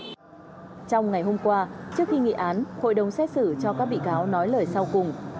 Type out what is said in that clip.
trong ngày hôm qua trước khi nghị án hội đồng xét xử cho các bị cáo nói lời sau cùng